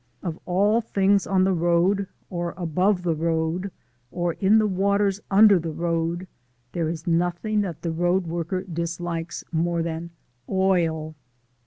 Of all things on the road, or above the road, or in the waters under the road, there is nothing that the road worker dislikes more than oil.